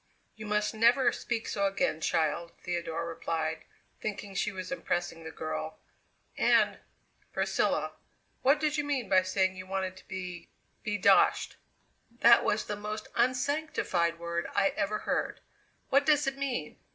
"You must never speak so again, child," Theodora replied, thinking she was impressing the girl; "and, Priscilla, what did you mean by saying you wanted to be be doshed? That was the most unsanctified word I ever heard. What does it mean?